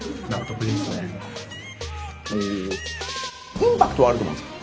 インパクトはあると思うんすよ。